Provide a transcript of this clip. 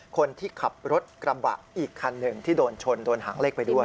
คนที่ขับรถกระบะอีกคันหนึ่งที่โดนชนโดนหางเลขไปด้วย